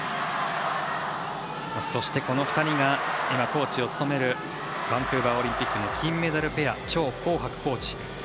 そして、この２人が今コーチを務めるバンクーバーオリンピックの金メダルペア趙宏博コーチ。